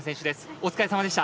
お疲れさまでした。